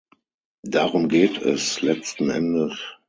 Darum geht es letzten Endes.